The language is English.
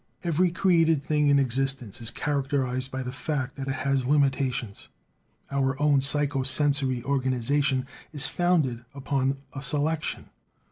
Every created thing in existence is characterized by the fact that it has limitations. Our own psycho sensory organization is founded upon a selection.